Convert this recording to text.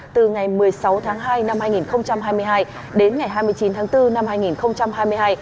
từ ngày một mươi sáu tháng hai năm hai nghìn hai mươi hai đến ngày hai mươi chín tháng bốn năm hai nghìn hai mươi hai